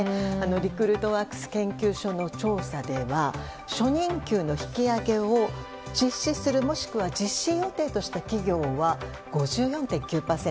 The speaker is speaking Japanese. リクルートワークス研究所の調査では初任給の引き上げを実施するもしくは実施予定とした企業は５４．９％。